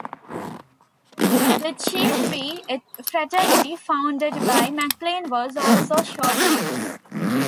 The Chi Phi Fraternity founded by Maclean was also short-lived.